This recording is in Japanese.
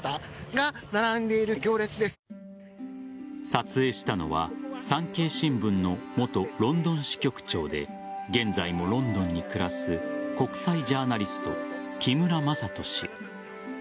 撮影したのは産経新聞の元ロンドン支局長で現在もロンドンに暮らす国際ジャーナリスト木村正人氏。